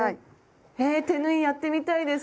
え手縫いやってみたいです！